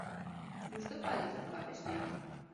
Gustuko al duzu kafesnea?